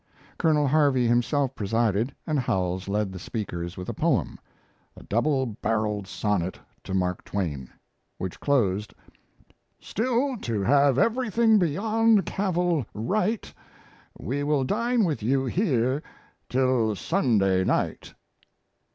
Colonel Harvey himself presided, and Howells led the speakers with a poem, "A Double Barreled Sonnet to Mark Twain," which closed: Still, to have everything beyond cavil right, We will dine with you here till Sunday night.